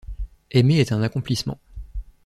Aimer est un accomplissement.